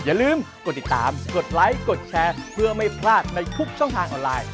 อย่าลืมกดติดตามกดไลค์กดแชร์เพื่อไม่พลาดในทุกช่องทางออนไลน์